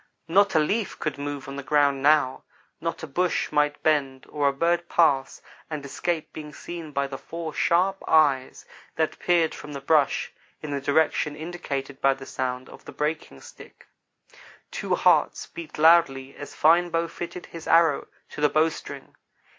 Not a leaf could move on the ground now not a bush might bend or a bird pass and escape being seen by the four sharp eyes that peered from the brush in the direction indicated by the sound of the breaking stick. Two hearts beat loudly as Fine Bow fitted his arrow to the bowstring.